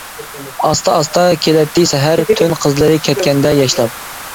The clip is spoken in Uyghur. ئاستا-ئاستا كېلەتتى سەھەر، تۈن قىزلىرى كەتكەندە ياشلاپ.